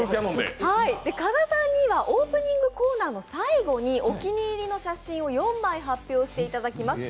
加賀さんにはオープニングコーナーの最後にお気に入りの写真を４枚発表していただきます。